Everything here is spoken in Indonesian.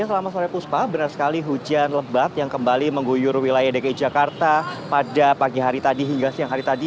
selamat sore puspa benar sekali hujan lebat yang kembali mengguyur wilayah dki jakarta pada pagi hari tadi hingga siang hari tadi